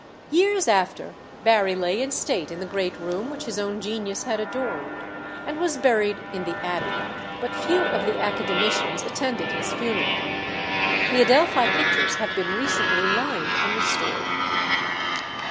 Years after Barry lay in state in the great room which his own genius had adorned, and was buried in the Abbey; but few of the Academicians attended his funeral. The Adelphi pictures have been recently lined and restored.